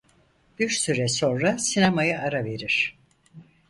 Bir süre sonra sinemaya ara verir.